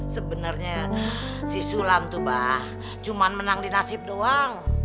sebenarnya si sulam tuh bah cuma menang di nasib doang